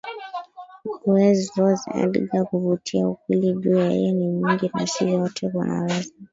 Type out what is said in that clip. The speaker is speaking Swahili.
Guver Dzhon Edgar Kuvutia ukweli juu ya yeye ni nyingi na si wote wanaweza